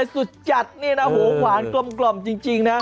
สุดจัดนี่นะหวานกล้มจริง